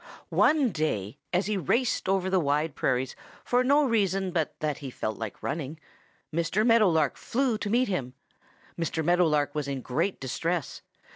"One day, as he raced over the Wide Prairies for no reason but that he felt like running, Mr. Meadow Lark flew to meet him. Mr. Meadow Lark was in great distress.